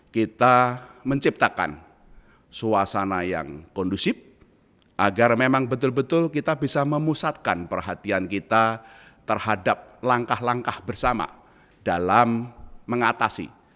kita menciptakan suasana yang kondusif agar memang betul betul kita bisa memusatkan perhatian kita terhadap langkah langkah bersama dalam mengatasi